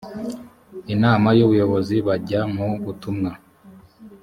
inama y ubuyobozi bajya mu butumwa